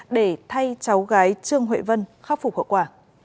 để thay cháu gái trương huệ vân khắc phục hậu quả